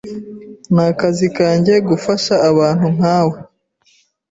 Nakazi kanjye gufasha abantu nkawe.